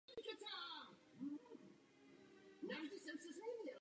Často chodí do kina na stejný film.